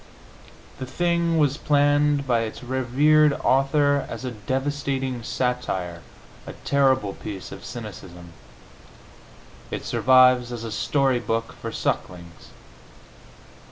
The thing was planned by its rev. author as a devastating satire, a terrible piece of cynicism; it survives as a story book for sucklings.